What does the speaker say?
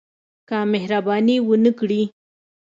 که مهرباني ونه کړي.